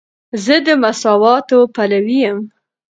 زه د مساواتو پلوی یم.